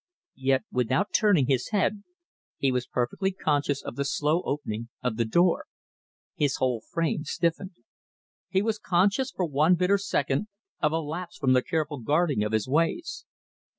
Yet, without turning his head, he was perfectly conscious of the slow opening of the door. His whole frame stiffened. He was conscious for one bitter second of a lapse from the careful guarding of his ways.